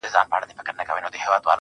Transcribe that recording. • د سترگو سرو لمبو ته دا پتنگ در اچوم.